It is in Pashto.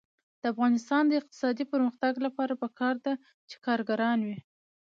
د افغانستان د اقتصادي پرمختګ لپاره پکار ده چې کارګران وي.